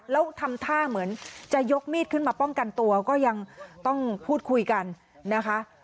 แล้วทำท่าเหมือนจะยกมีดขึ้นมาป้องกันตัวก็ยังต้องพูดคุยกันนะคะ